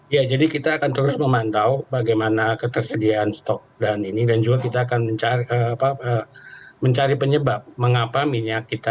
ya jadi kita akan terus memantau bagaimana ketersediaan stok dan ini dan juga kita akan mencari penyebab mengapa minyak kita